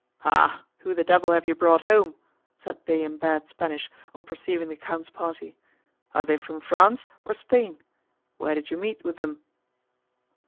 "Hah! who the devil have you brought home?" said they in bad Spanish, on perceiving the Count's party, "are they from France, or Spain?—where did you meet with them?"